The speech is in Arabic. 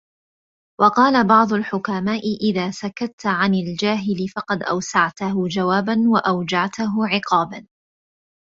وَقَالَ بَعْضُ الْحُكَمَاءِ إذَا سَكَتَّ عَنْ الْجَاهِلِ فَقَدْ أَوْسَعْتَهُ جَوَابًا وَأَوْجَعْتَهُ عِقَابًا